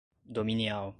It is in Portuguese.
dominial